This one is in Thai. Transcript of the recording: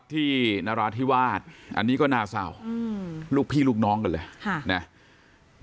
นราธิวาสอันนี้ก็น่าเศร้าลูกพี่ลูกน้องกันเลยค่ะนะ